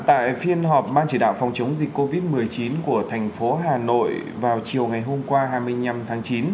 tại phiên họp ban chỉ đạo phòng chống dịch covid một mươi chín của thành phố hà nội vào chiều ngày hôm qua hai mươi năm tháng chín